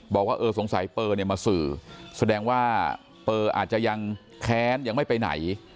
บอกว่าเออสงสัยเปอร์เนี่ยมาสื่อแสดงว่าเปอร์อาจจะยังแค้นยังไม่ไปไหน